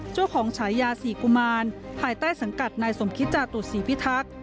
ฉายาศรีกุมารภายใต้สังกัดนายสมคิตจาตุศรีพิทักษ์